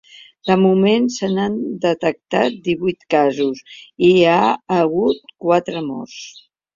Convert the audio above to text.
De moment, se n’han detectat divuit casos i hi ha hagut quatre morts.